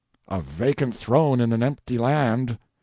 —a vacant throne in an empty land!